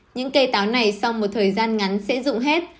những cây táo này sau một thời gian ngắn sẽ rụng hết